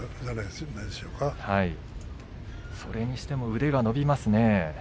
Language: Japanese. それにしても腕が伸びますね。